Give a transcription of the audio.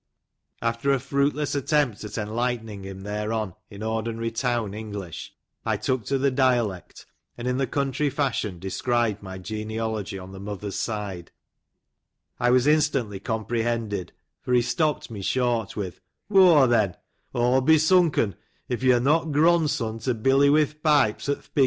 After a fruitless attempt at enlightening him thereon in ordinary town English, I took to the dialect, and in the country fashion described my genealogy, on the mother's side. I was instantly compre hended ; for he stopt me short with " Whau then, aw '11 be sunken iv yo are not gron'son to ' Billy wi' th' pipes, at th' Biggins.'" "Yo han it neaw," said I.